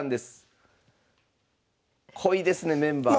濃いですねメンバーが。